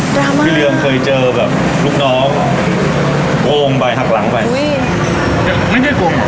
พี่เรืองเคยเจอแบบลูกน้องโกงไปหักหลังไปอุ้ยไม่ใช่โกงอ่ะ